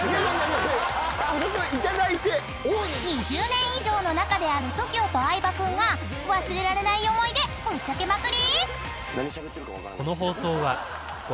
［２０年以上の仲であるＴＯＫＩＯと相葉君が忘れられない思い出ぶっちゃけまくり］